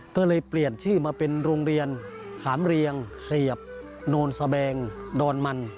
ก็เลยเปลี่ยนชื่อมาเป็นโรงเรียนขามเรียงเสียบโนนสแบงดอนมัน